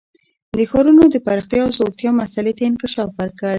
د ښارونو د پراختیا او ځوړتیا مسئلې ته یې انکشاف ورکړ